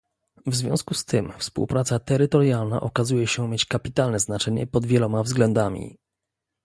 W związku z tym współpraca terytorialna okazuje się mieć kapitalne znaczenie pod wieloma względami